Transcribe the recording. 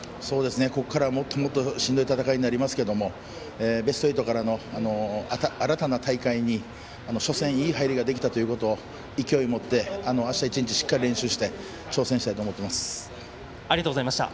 ここから、もっとしんどい戦いになりますがベスト８からの新たな大会に初戦いい入りができたこと勢いもって、あした１日しっかり練習してありがとうございました。